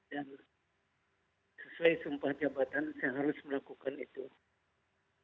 dan sesuai sumpah jabatan saya harus melakukan itu